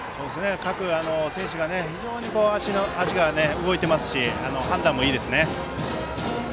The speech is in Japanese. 各選手足が動いていますし判断もいいですね。